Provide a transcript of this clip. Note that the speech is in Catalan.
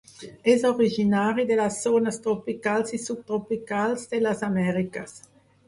És originari de les zones tropicals i subtropicals de les Amèriques.